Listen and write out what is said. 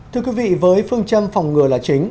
thưa quý vị với phương châm phòng ngừa là chính